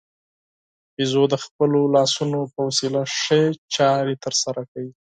بیزو د خپلو لاسونو په وسیله ښې چارې ترسره کوي.